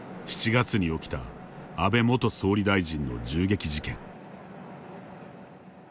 ７月に起きた安倍元総理大臣の銃撃事件。